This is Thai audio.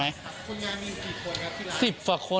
คนงานมีกี่คนครับที่ร้าน